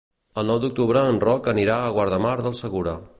El nou d'octubre en Roc anirà a Guardamar del Segura.